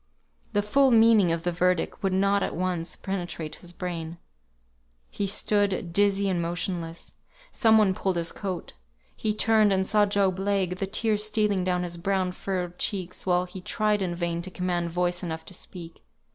The full meaning of the verdict could not at once penetrate his brain. He stood dizzy and motionless. Some one pulled his coat. He turned, and saw Job Legh, the tears stealing down his brown furrowed cheeks, while he tried in vain to command voice enough to speak.